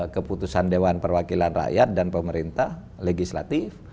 keputusan dewan perwakilan rakyat dan pemerintah legislatif